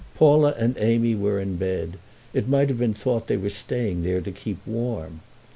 Paula and Amy were in bed—it might have been thought they were staying there to keep warm.